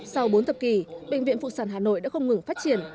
sau bốn thập kỷ bệnh viện phụ sản hà nội đã không ngừng phát triển